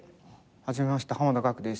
初めまして濱田岳です。